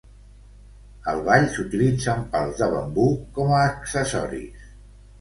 Al ball s'utilitzen pals de bambú com a accessoris.